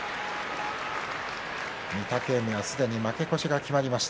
御嶽海は、すでに負け越しが決まりました。